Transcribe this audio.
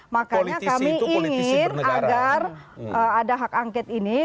makanya kami ingin agar ada hak angket ini